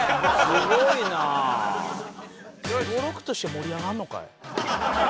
すごろくとして盛り上がるのかい！